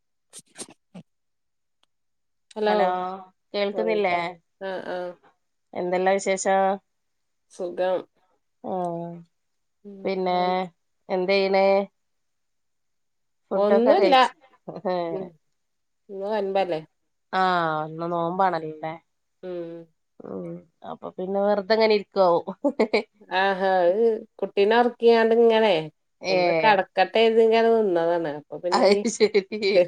[unintelligible] Hello ആഹ് കേൾക്കുന്നില്ലേ ആഹ് ആഹ് എന്തെല്ലാ വിശേഷോം സുഖം ഉം ഉം എന്തേയ്യണേ ഫുഡ്‌ ‌ ഒക്ക ഒന്നുല്ല കഴിച്ച് ഉം ഏഹ്. ഇന്ന് ഒൻപല്ലേ ആ ഇന്ന് നോമ്പാണല്ലേ ഉം ഉം അപ്പൊ പിന്നെ വെറുതിങ്ങനെ ഇരിക്കോ ആവോ ആ ഹാ കുട്ടീനെ ഒറക്കിയ്യോണ്ടിങ്ങനെ ഒന്നു ഏഹ് കടക്കട്ടെന്ന് ഇങ്ങനെ നിന്നതാണ് അപ്പൊ പിന്നെ അത് ശരി ഇനിഏ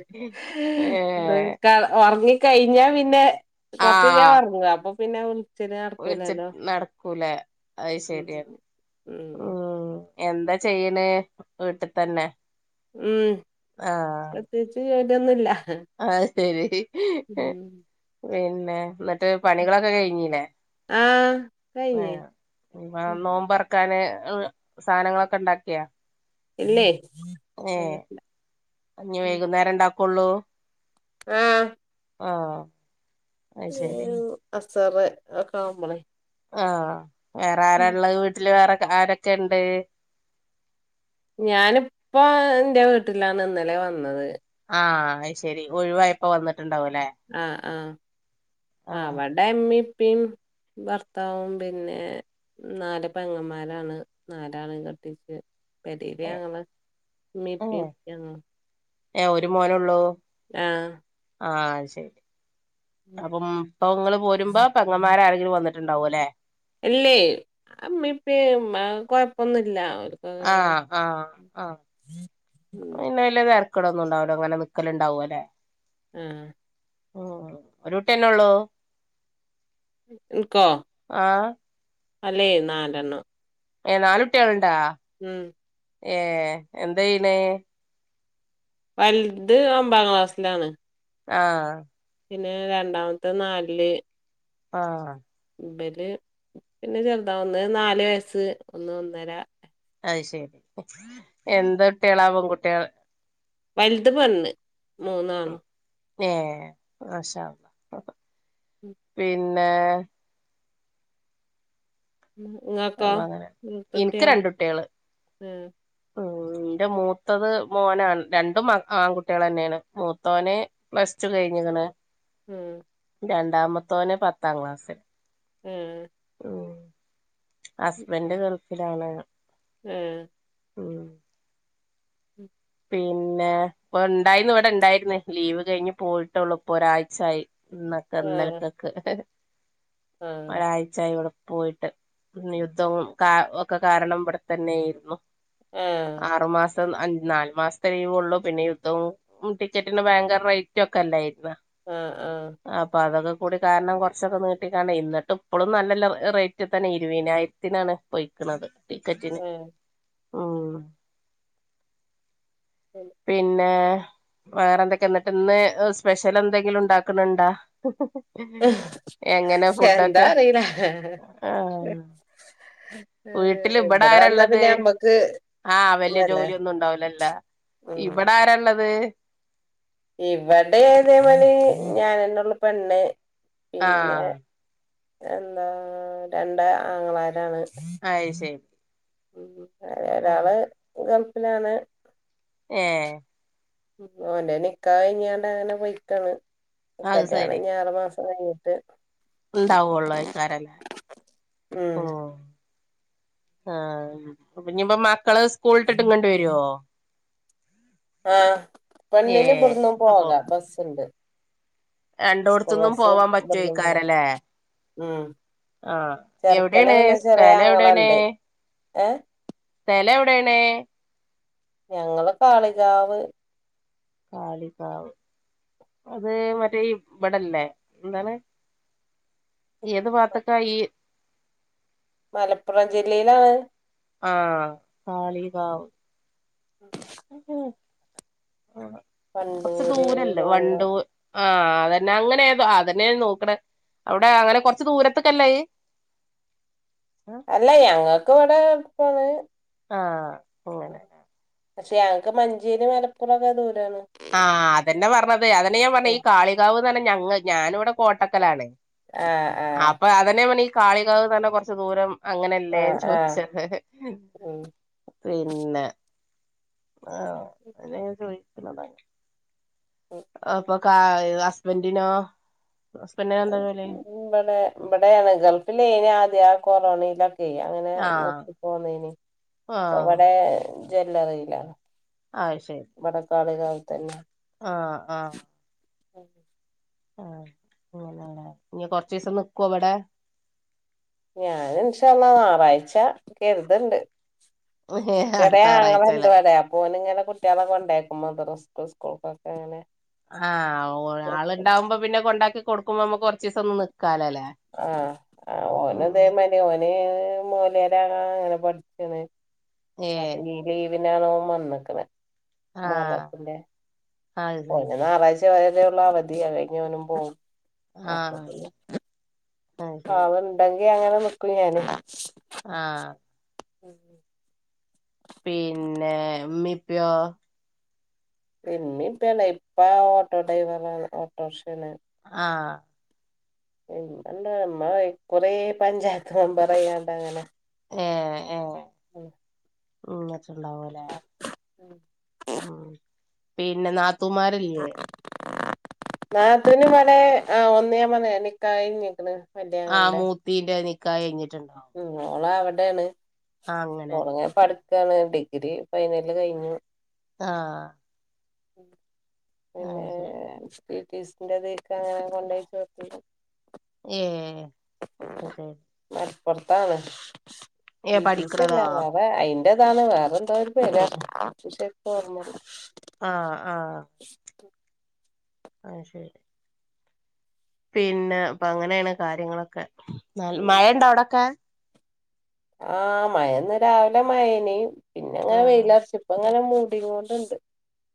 ഏഹ് ക ഒറങ്ങി കഴിഞ്ഞാ പിന്നെ ആഹ് കൊറച്ചുകഴിഞ്ഞാറൊങ്ങുവാ അപ്പൊപിന്നെ ഉച്ചയയിഞ്ഞാഒറക്കുല്ലല്ലോ കുലേ അയ് ശെരിയാണ് ഉം എന്താ ചെയ്യണേ വീട്ടിത്തന്നെ ഉം പ്രത്യേകിച്ച് ജോലിയൊന്നുവില്ല അ അയ് ശരി പിന്നെ എന്നിട്ട് പണികളൊക്കെ കഴിഞ്ഞില്ലേ ആ ഏ ഇനിപോ നോമ്പെറക്കാന് സാധനങ്ങളൊക്കെ ഒണ്ടാക്കിയോ ഇല്ലേ ഏ ഇഞ്ഞി വൈകുന്നേരേ ഇണ്ടാക്കൊള്ളൂ ആ ആ ഒരു അസറ് ഒക്കെ ആകുമ്പളേ ആ വേറെരാ ഇള്ളത് വീട്ടില് വേറെ ക ആരൊക്കെ ഇണ്ട് ഞാനിപ്പൊ എന്റെ വീട്ടിലാണ് ഇന്നലെയാ വന്നത് ആ അയ്ശെരി ഒഴിവായപ്പോ വന്നെ ആ ആ ആഹ് അവടെ എമ്മേം ഇപ്പേം ഭർത്താവും പിന്നെ നാല് പെങ്ങമ്മാരാണ് നാലാളേം കെട്ടിച്ച് [unintelligible] ഉമ്മേം ഉപ്പേം യാ ഏ ഒരു മോനെ ഉള്ളൂ ആ ആ അയ്ശെരി അപ്പം ഇപ്പൊ നിങ്ങളുപോരുമ്പോ പെങ്ങമ്മാരാരെങ്കിലും വന്നി ണ്ടാവും അല്ലെ ഇല്ലേ അമ്മേം ഇപ്പേം മ കൊഴപ്പൊന്നുവില്ല അവർക്കതങ്ങനെ ആഹ് ആഹ് ആഹ് ഉം ക്കളൊന്നും ഒണ്ടാവൂല്ല അങ്ങനെ നിക്കലുണ്ടാവ്വൂല്ലേ ആ ഉം ഒരു കുട്ടിയല്ലേയുള്ളൂ എനക്കോ അല്ലേ നാലെണ്ണം ഏ നാലുട്ടികളു ഉം ഏ എന്താ ചെയ്യണേ വലുത് ഒമ്പതാം ക്ലാസ്സിലാണ് ആ പിന്നെ രണ്ടാമത്തെ നാലില് ആഹ ഇമ്പല് പിന്നെ ചെറുതാ ഒന്ന് നാല് വയസ്സ് ഒന്ന് ഒന്നര അത് ശെരി എന്ത കുട്ടികളാവുംപെൺ കുട്ടികൾ വലുത് പെണ്ണ് മൂന്നാളും ഏ മാഷാ അല്ലഹ് പിന്നെ അ ഇങ്ങക്കോ അങ്ങനെ മൂത്ത എനിക്ക് കുട്ടികളാ രണ്ട കുട്ടികള് ആഹ് ഉ എന്റെ മൂത്തത് മോനാണ് രണ്ടും ആൺകുട്ടികൾ തന്നെയാണ് മൂത്തോന പ്ലസ് ടു കഴിഞ്ഞണ് ഉം രണ്ടാമത്തോനെ പത്താം ക്ലാസ്സില് ഉം ഹസ്ബൻഡ് ഗൾഫിലാണ് ഉം ഉം ഉം പിന്നെ ഇ ഉണ്ടായിരുന്നു ഇവിടെ ഇണ്ടായിരുന്നേ ലീവ് കഴിഞ്ഞ് പോയിട്ടുള്ളു ഇപ്പൊ ഒരാഴ്ചായി ഇന്നൊക്കെ ആഹ് ഇന്നലക്കൊക്കെ ആഹ് ഒരാഴ്ചായി ഇവിടെ പോയിട്ട് യുദ്ധവും കാ ഒക്കെ കാരണം ഇവിടെ തന്നെ ആായിരുന്നു ആഹ നാല് മാസത്തെ ലീവ ഉള്ളു പിന്നെ യുദ്ധം ടിക്കറ്റിന്റെ ഭയങ്കര റേറ്റ ഒക്കെ അല്ലായിരിന്നൊ ആഹ് ആഹ് ആ പൊതൊക്കെ കൂടി കാരണം കുറച്ചൊക്കെ നീട്ടിക്കാണ്ട ഇ എന്നിട്ട് ഇപ്പഴും നല്ല റേറ്റ് തന്നെ ഇരുപതിനായിരത്തിനാണ് പൊയിക്കണുന്നത് ടിക്കറ്റ് ന് ആഹ് ഉം പിന്നെ വേറെ എന്തൊക്കെ എന്നിട്ട് ഇന്ന് സ്പെഷ്യൽ എന്തെങ്കിലും ഉണ്ടാക്കണണ്ടോ എങ്ങനെ എന്താ ഫുഡൊക്കെ അറിയില്ല ആഹ വീട്ടില ഏഹ് ഇവിടെ വന്നാ ആരള്ളത് പിന്നെ നമ്മക്ക് ആഹ വല്യ ഇതല്ലേ ജോലിയൊന്നും ഉണ്ടാവലല്ല ഉം ഇവിടെ ആരള്ളത് ഇവിടെ ഏതേ മല ഞാനെന്നള്ള പെണ്ണ് പിന്നെ ആഹ് എന്താ രണ്ട് ആങ്ങളാരാണ് ആ ശരി വരെ ഒരാള് ഗൾഫിലാണ് ഏ ഓന്റെ നിക്കാഹ് കഴിഞ്ഞാ അങ്ങനെ അത് പൊക്കണ്ക്കാണ് ശരി ആറു മാസം കഴിഞ്ഞിട്ട് ഉണ്ടാവുള്ളൂ ആയിക്കാരല്ല ഉം ഉ ആ ഇനിപ്പോ മക്കള് സ്കൂളട്ടിട്ട് ഇങ്ങട്ട് വരുവോ ആഹ് പെണ്ണിന് ഏഹ് ഇവിടന്നും പോക ബസ്സുണ്ട് സ്കൂൾ രണ്ടൂടത്തൊന്നും ബസ് പോവാൻ ഇബട്ന്നും പോകും പറ്റോയിക്കാരല്ലേ ഉം ആഹ ചെറുക്കന് എവിടെയാണ് പിന്നെ ചെറിയ സ്ഥലം എവിടെയാണ് ആങ്ങളണ്ട് ഏഹ് സ്ഥല എവിടെയണേ ഞങ്ങള് കാളികാവ് കാളിക്കാവ് അത് മറ്റേ ഇവിടല്ലേ എന്താണ് ഏത് ഭാത്തക്ക ഈ മലപ്പുറം ജില്ലയിലാണ് ആഹ കാളിാവ ആ കൊറച്ച് വണ്ടൂര് ദൂരല്ലേ വണ്ടൂ ആഹ അതന്നെ അങ്ങനെ ഏതോ അതന്നെയ നോക്കണ അവിടെ അങ്ങനെ കൊറച്ച് ദൂരത്തൊക്കെല്ലായി അല്ല ഞങ്ങൾക്കും ഇവിടെ എപ്പാണ് ആ പക്ഷെ ഞങ്ങക്ക് മഞ്ചേരി മലപ്പുറൊക്കെ ദൂരാണ് ആഅതന്നെ പറഞ്ഞത് അതെന്നേ ഞാൻ പറഞ്ഞ ഈ കാളികാവ്ന്ന് പറഞ്ഞ ഞ ഞാന ഇവിടെ കോട്ടക്കലാണ് ആഹ് ആഹ് അപ്പൊ അതന്നെ പറഞ്ഞ് ഈ കാളികാവ തന്നെ കുറച്ച് ദൂരം അങ്ങനെല്ലേ ആഹ് ആഹ് ചോദിച്ചത് പിന്നെ ആ അതല്ലേ ചോദിക്കുന്നതാ ഉം അപ്പൊ കാ ഹസ്ബൻറിനോ ഇവിടെ ഇവിടെയാണ് ഗൾഫിലിന്ന് ആദ്യ ആ കൊറോണയിലൊ ചെയ അങ്ങനെ ആഹ് നിർത്തി പോന്നേനി അപ്പ ആഹ് അവിടെ ജ്വല്ലറിയിലാണ് ആശരി കാളികാവ് തന്നെയെ ആ ആ ഉം ആഅങ്ങനെ ഇഞ്ഞി കൊറചിസം നിക്കു ഇവിടെ ഞാന ഇന്ശാ അല്ലാഹ് ഞറാഴ്ച കരുതണ്ട് ചെറിയ അടുത്ത ആങ്ങള ഉണ്ട് ഞായറാഴ്ചല്ലേ ഇവിടെ അപോന് ഇങ്ങനെ കുട്ടികളൊ കൊണ്ടാകും മദ്രസ്ക് സ്കൂൾക്കൊക്കെ അങ്ങനെ ആ ചേർക്കണം ആൾണ്ടാവുമ്പോ പിന്നെ കൊണ്ടാക്കി കൊടുക്കുമ്പോ നമ്മുക്ക് കുറച്ച് ദിവസം ഒന്ന് നി ആ ഉം ഒന്നതീമാരി ഓന് മോലിയാർ ആവാൻ പഠിക്കാന് ഏഹ് അപ്പൊ ലീവ് ന്നാണ് ഓം വന്നക്നേ ആഹ് മുഹർറത്തിൻ്റെ അത് ശരി ഒന് ഞാറയ്ച് വരെ ഉള്ളൂ അവധി അത് കഴഞ്ഞ ഓനും പോകും അപ്പൊ ആഹ് പിന്നെ അത് ശരി ആള്ണ്ടെങ്കി അങ്ങനെ നിക്കൂ ഞാന് ആഹ് ഉം പിന്നെ ഇമ്മീം ഇപ്പീയോ ഇമ്മീം ഇപ്പീം ഇപ്പ ഓട്ടോ ഡ്രൈവറാണ് ഓട്ടോ റിക്ഷന ആ മ്മണ്ട് ഇമ്മാ കൊറേ പഞ്ചായത്ത് മെമ്പറായിങ്ങാണ്ട് അങ്ങനെ ഏ ഉം നിന്ന്ടുണ്ടാവൂലേ ഉം പിന്നെ നാ നാതുമാറിലേ നാത്തന് മളേ ആ ഒന്ന് ഞാൻ പറഞ്ഞിലേ നിക്കാഹ് കഴിഞ്ഞക്കണ് ആ മൂത്തിന്റെ നിക്കായി കഴിഞ്ഞിട്ടുണ്ടാവ ഓള അവിടെണ് ആഅങ്ങനെ ക്കാണ് ഡിഗ്രി ഫൈനല് കഴിഞ്ഞു ആ ഉം ആ ശരി ട്ടി ട്ടി സി ൻ്റേതിൽ അങ്ങനെ കൊണ്ടോയി ചേർത്തീട് ഏഹ് അത് ശരി പുറത്താണ് ഏ പഠിക്കണതോ ഫീസില്ല വേറെഅയി ൻ്റേതാണ് വേറെന്തോ ഒരു പേരാണ് ശരിക്ക് ഓർമല്ല ആ ആ ആ ശരി പിന്നെ അപ്പൊ അങ്ങനെയാണ് കാര്യങ്ങളൊക്കെ ന മഴയണ്ട അവിടെക്കെ ആ മഴന്ന് രാവിലെ മഴന പിന്നെങ്ങനെ ആഹ് വെയിലറച്ചിപ്പ അങ്ങനെ മൂടി കൊണ്ടുണ്ട്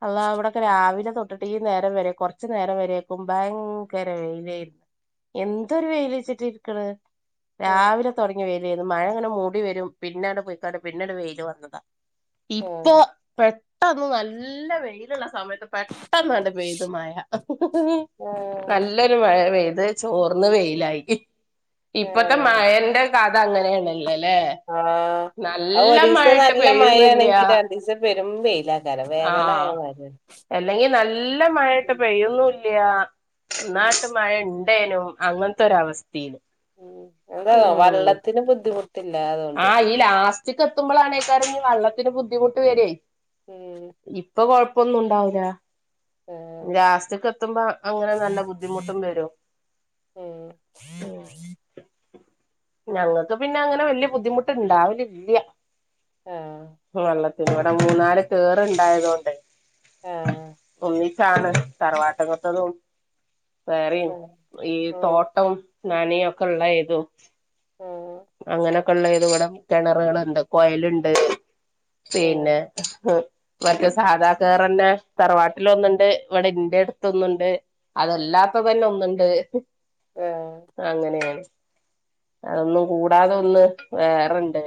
അല്ലാ ഇവിടെക്കെ രാവിലെ തൊ ട്ട്ട്ട് ഈ നേരം വരെ കൊർച്ച് നേരം വരേക്കും ഭയങ്കര വെയ്ലേര്ന്ന് എന്തൊരു വെയ്ല്ച്ച്റ്റാ ഇരിക്ക്ണ രാവിലെ തൊടങ്ങി വെയ്ലേര്ന്ന് മഴങ്ങനെ മൂടി വരും പിന്നാണ്ട് പൊയ്ക്കാണ്ട് പിന്നൊര് വെയില് വന്നതാ ഇപ്പൊ ആഹ് പെട്ടന്ന് നല്ല വെയിലുള്ള സമ പെട്ടന്നാണ്ട് പെയ്ത് മഴ അഹ് ഹ് ഹ് ഹ് ആഹ് നല്ലൊര് മഴ പെയ് അത് ചോർന്ന് വെയിലായി, ഇപ്പത്തെ ഏഹ് മയന്റെ കഥ അങ്ങനേണ് ല്ലലേ ആഹ് അത് നല്ല ഒരീസം മഴട്ട് നല്ല പെയ്യ്ന്നൂല്ല്യാ മഴയാണെങ്കി രണ്ടീസം പെരും വെയിലാക്കാരം വേനലായ ആഹ് മാതിരിയാണ് എല്ലെങ്കി നല്ല മഴട്ട് ഉം പെയ്യുന്നൂല്ല്യാ ഉം എന്നാട്ട് മഴ ണ്ടേനും അങ്ങൻത്തൊരവസ് ഉം എന്താ ന്നൊ വെള്ളത്തിന് ബുദ്ധിമുട്ടില്ല അതോണ്ട് ച്ച്ക്ക് എത്തുമ്പളാണേക്കാരം ഇനി വെള്ളത്തിന് ബുദ്ധിമുട്ട് വെരെയ്, ഉം ഇപ്പൊ കൊഴ പ്പൊന്നുണ്ടാവുലാ ആഹ് ജാസ്തിക്ക് എത്തുമ്പാ അങ്ങനെ നല്ല ബുദ്ധിമുട്ടും ബരു ഉം ആ ഞങ്ങൾക്ക് പിന്നെ അങ്ങനെ വല്ല്യ ബുദ്ധിമുട്ട് ണ്ടാവലില്ല്യ ആ ഇവടെ മൂന്നാല് കേറ്ണ്ടായതോണ്ടെ ആഹ് ഒന്നി ച്ചാണ് തറവാട്ട്ക്കത്തതും വേറെയിം ഉം ഈ തോട്ടം നനയൊക്കെ ഇള്ള ഏതു ഉം ക്കള്ളേതുവടെം കെണറ്കള്ണ്ട് കോയല്ണ്ട് ഉം പിന്നെ ഹ് മറ്റേ സാധാക്കേറെന്നെ തറവാട്ടിലൊന്ന്ണ്ട് ഇവടെ ഇന്റെട്ത്തൊന്ന്ണ്ട് അതെല്ലാ ത്തതന്നെ ഒന്ന്ണ്ട് ഹ് ആഹ് അങ്ങനേണ് അതൊന്നും കൂടാതൊന്ന് വേറെണ്ട്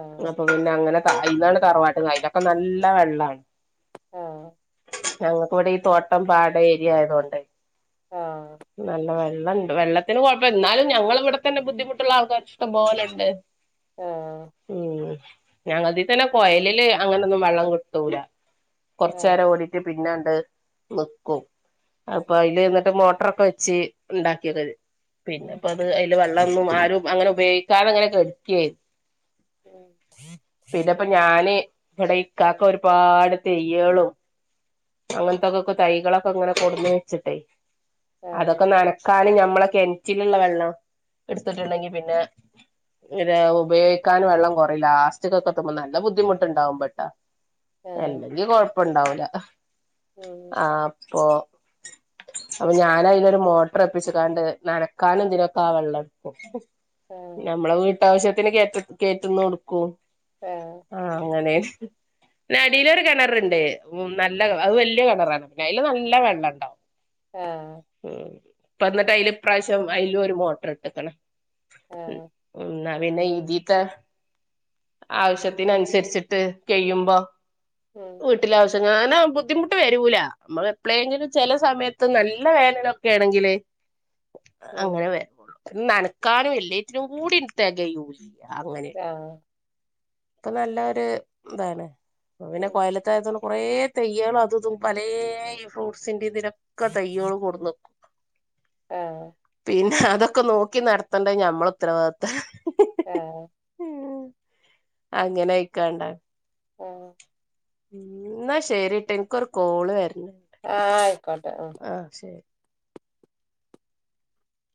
ആഹ് അപ്പൊ പിന്നെ അങ്ങനെ ഇന്നാണ് തറുവാട്ട് [unintelligible] അപ്പന്നല്ല വെള്ളാണ് ആഹ് ഞങ്ങക്കിവടെ ഈ തോട്ടം പാട ഏരിയ ആയതൊണ്ടേ ആ വെള്ളണ്ട് വെള്ളത്തിന് കൊയപ്പൽ ന്നാലും ഞങ്ങളിവടത്തന്നെ ബുദ്ധിമുട്ട്ള്ളാൾക്കാരിഷ്ടമ്പോലെണ്ട് ആഹ് ആഹ് ഉം ഞങ്ങളതീത്തന്നെ കൊയലില് അങ്ങനൊന്നു വെള്ളങ്ക്ട്ടൂല ആഹ് കൊറച്ചേരോടീറ്റ് പിന്നെ ത് ന്ക്കു ഉം അപ്പയ്ല്, ന്ന്ട്ട് മോട്ടറൊക്കെ വെച്ച്, ണ്ടാക്കിയേതാത് ഉം പിന്നെപ്പത് അയ്ല് വെള്ളൊന്നും ആരും അങ്ങനെ ഉപയേയ്ക്കാതങ്ങനെ കെട്ക്കേ ഉം പിന്നപ്പഞ്ഞാന് ഇവടെയ്ക്കാക്ക ഒര്പാട് തെയ്യേളും അങ്ങൻത്തൊക്കൊക്കെ തൈകളൊക്കങ്ങനെ കൊട്ന്ന് വെച്ചിട്ടെയ് അതൊക്കെ നനക്കാനും ഞമ്മളെ കെൻറ്റില്ള്ള വെള്ളം എട്ത്തിട്ട്ണ്ടെങ്കി പിന്നെ, [unintelligible] ഉപയോഗിക്കാൻ വെള്ളം കുറയുല്ലാസ്റ്റ്കൊക്കെത്തുമ്പൊ നല്ല ബുദ്ധിമുട്ട്ണ്ടാവുമ്പട്ടാ അല്ലെങ്കി കൊഴപ്പുണ്ടാവൂല ഹ് ആപ്പൊ.. അപ്പഞ്ഞാനയിലൊര് മോട്ടർ ഒപ്പിച്ച് കാണ്ട്, നനക്കാനു, തിനൊക്കെ ആ വെള്ള ക്കു ഹ് ഞമ്മളെവീട്ടാവിശ്യത്തിന് കേറ്റത്, കേറ്റ്ന്നൂട്ക്കൂ ആ അങ്ങനേണ് ഹ് ഹ് ന്നടീലൊര് കെണറ്ണ്ട്, ഉം നല്ല അത് വെല്യ കെണറാണ് പിന്നെ അയ്ല് നല്ല വെള്ളണ്ടാവും ആ ഇപ്പന്ന്ട്ട് അയ്ല് ഇപ്രായിശം അയ്ലു ഒര് മോട്ടറ്ട്ട്ക്ക്ണ് ആയിക്കോട്ടെ ഉം ന്നാ പിന്നെ ഇതീത്തെ ആവിശ്യത്തിനൻസര്ച്ച്ട്ട്, കെയ്യുമ്പോ വീട്ടിലാവിശ്യ ഞ്ഞാന ബുദ്ധിമുട്ട് വരൂല, മ്മക് എപ്പളേങ്കിലും ചെല സമയത്ത് നല്ല വേനലൊക്കെ ഏണെങ്കില്, അങ്ങനെ വെ നനക്കാനു എല്ലേറ്റിനുങ്കൂ‌ടി തെകയൂ അങ്ങനെ ഇപ്പൊ നല്ല ഒര് ഇതാണ് പിന്നെ കൊയല്ത്തത് ആയതോണ്ട് കൊറേ തെയ്യേളു അതു ഇതും പലേ ഈ ഫ്രൂട്ട്സി ഇതിനൊക്കെ [unintelligible] ആ പിന്നെ അതൊക്കെ നോക്കി നടത്തണ്ടത് നമ്മള ഉത്തരവാദിത്താ അങ്ങനെയിക്കാണ്ടാ ഏ എന്നാ ശരിട്ടാ ഇൻക്കൊരു കോള് വര് ആ ആയിക്കോട്ടെ ആ ശരി